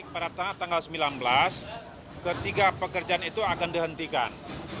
pada tanggal sembilan belas ketiga pekerjaan itu akan dihentikan